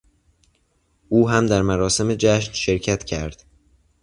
او هم در مراسم جشن شرکت کرد.